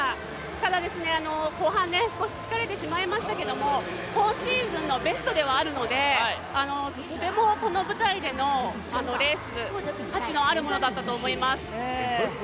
ただ、後半、少し疲れてしまいましたけれども、今シーズンのベストではあるのでとてもこの舞台でのレース、価値のあるものだったと思います。